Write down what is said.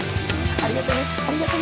ありがとね！